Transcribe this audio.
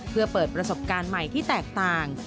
เพื่อเปิดประสบการณ์ใหม่ที่แตกต่าง